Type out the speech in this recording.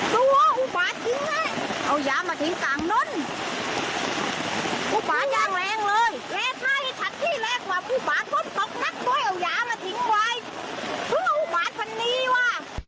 ลูกบาลอย่างแรงเลยแม่ไทยจะถัดที่แรกว่าลูกบาลก็ตกนักโดยเอาหยามาถึงไว้เพื่อเอาลูกบาลคันนี้ว่ะ